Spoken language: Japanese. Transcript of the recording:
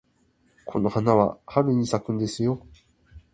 この花は春に咲くんですよ。